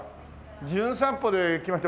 『じゅん散歩』で来ました